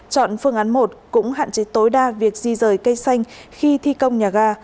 chọn phương án một cũng hạn chế tối đa việc di rời cây xanh khi thi công nhà ga